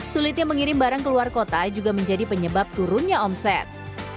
sulitnya mengirim barang keluar kota juga menjadi penyebab turunnya omset